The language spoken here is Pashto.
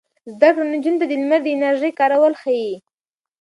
زده کړه نجونو ته د لمر د انرژۍ کارول ښيي.